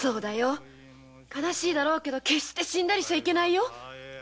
悲しいだろうけど死んだりしちゃいけないよ。